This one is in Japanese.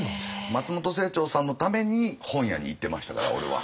松本清張さんのために本屋に行ってましたから俺は。